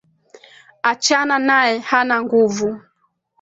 Achana naye hana nguvu